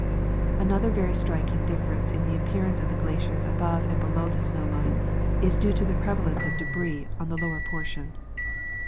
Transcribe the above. Another very striking diff"erence in the apj^earance of the glaciers above and below the snow line is due to the prevalence of debris on the lower portion.